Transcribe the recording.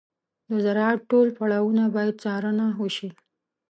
د زراعت ټول پړاوونه باید څارنه وشي.